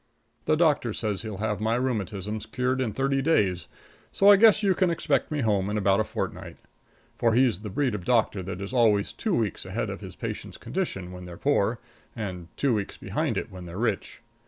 The doctor says he'll have my rheumatism cured in thirty days, so I guess you can expect me home in about a fortnight. For he's the breed of doctor that is always two weeks ahead of his patients' condition when they're poor, and two weeks behind it when they're rich.